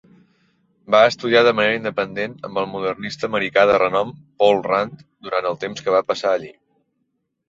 Va estudiar de manera independent amb el modernista americà de renom Paul Rand durant el temps que va passar allí.